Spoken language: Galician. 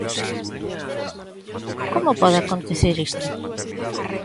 ¿Como pode acontecer isto?